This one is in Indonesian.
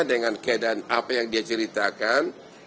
dengan keadaan apa yang dia ceritakan